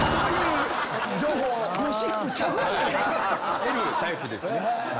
得るタイプですね。